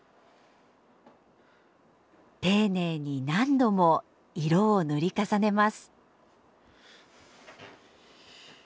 丁寧に何度も色を塗り重ねます。